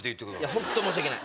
本当申し訳ない。